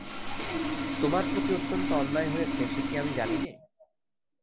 তোমার প্রতি অত্যন্ত অন্যায় হয়েছে, সে কি আমি জানি নে।